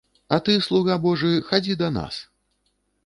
А ты, слуга божы, хадзі да нас.